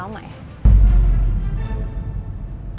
aku bisa buktiin ke mas panji